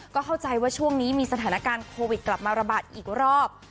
ก็เข้าใจว่าช่วงนี้มีสถานการณ์โควิดกลับมาระบาดอีกรอบ